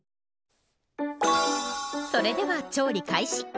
それでは調理開始。